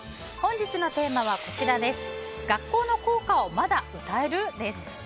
本日のテーマは学校の校歌をまだ歌える？です。